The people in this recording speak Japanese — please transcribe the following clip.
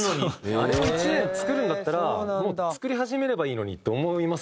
あれを１年作るんだったらもう作り始めればいいのにって思いますよね。